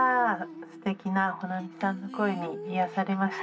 すてきな保奈美さんの声に癒やされました」。